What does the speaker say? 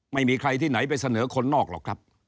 ไม่มีใครที่ไหนไปเสนอคนนอกหรอกครับ